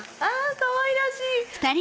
かわいらしい！